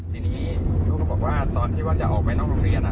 ทีนี้ลูกก็บอกว่าตอนที่ว่าจะออกไปนอกโรงเรียน